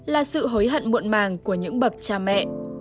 là sự hối hận muộn màng của những bậc cha mẹ